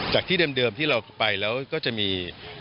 ที่เดิมที่เราไปแล้วก็จะมี